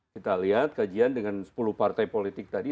kita lihat kajian dengan sepuluh partai politik tadi